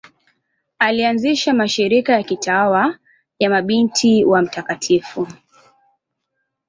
Alianzisha mashirika ya kitawa ya Mabinti wa Mt.